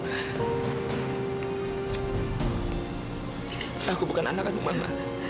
aku bukan anak aku mama